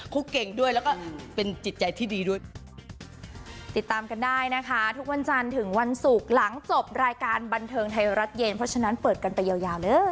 คุกเก่งด้วยแล้วก็เป็นจิตใจที่ดีด้วย